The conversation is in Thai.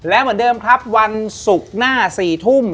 และเหมือนเดิมครับวันศุกร์หน้า๔ทุ่ม